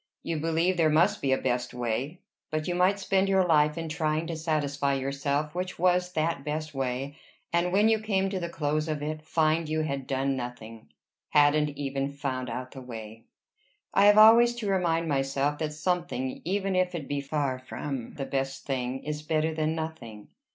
You believe there must be a best way; but you might spend your life in trying to satisfy yourself which was that best way, and, when you came to the close of it, find you had done nothing, hadn't even found out the way. I have always to remind myself that something, even if it be far from the best thing, is better than nothing.